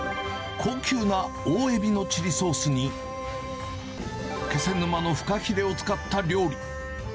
高級な大エビのチリソースに、気仙沼のフカヒレを使った料理。